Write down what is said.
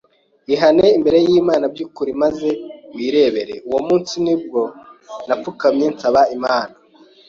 Ihane imbere y’Imana by’ukuri maze wirebere!” Uwo munsi ni bwo napfukamye nsaba Imana